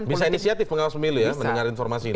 bisa inisiatif pengawas pemilu ya mendengar informasi ini